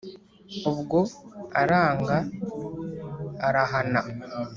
Ubwo aranga arahana